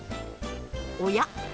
おや？